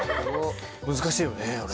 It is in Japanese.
難しいよねあれ。